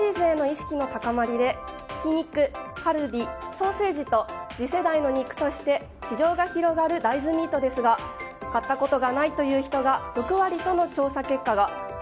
ＳＤＧｓへの意識の高まりでひき肉、カルビ、ソーセージと次世代の肉として市場が広がる大豆ミートですが買ったことがないという人が６割との調査結果が。